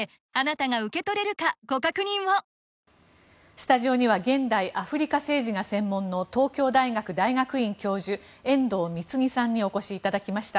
スタジオには現代アフリカ政治が専門の東京大学大学院教授遠藤貢さんにお越しいただきました。